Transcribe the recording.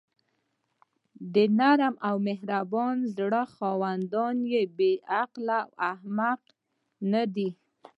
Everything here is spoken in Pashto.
د نرم او مهربانه زړه خاوندان بې عقله او احمقان ندي.